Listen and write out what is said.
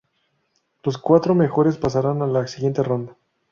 Los cuatros mejores pasarán a la siguiente ronda.